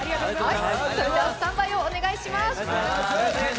それではスタンバイをお願いいたします。